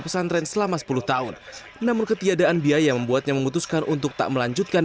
pesantren selama sepuluh tahun namun ketiadaan biaya membuatnya memutuskan untuk tak melanjutkan